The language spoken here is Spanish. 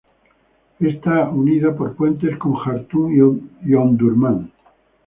Está unida por puentes con Jartum y Omdurmán.